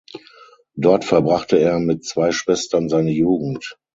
Dort verbrachte er mit zwei Schwestern seine Jugend.